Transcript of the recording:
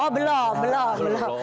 belum belum belum